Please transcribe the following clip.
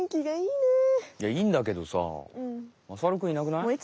いやいいんだけどさまさるくんいなくない？